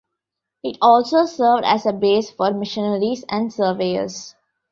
It also served as a base for missionaries and surveyors.